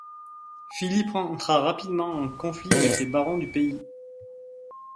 Philippe entra rapidement en conflit avec les barons du pays.